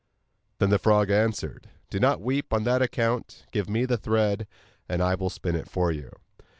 Then the frog answered: 'Do not weep on that account; give me the thread, and I will spin it for you.